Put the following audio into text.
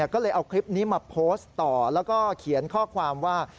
ก็เลยเอาคลิปนี้มาโพสต์ต่อแล้วก็เขียนข้อความว่า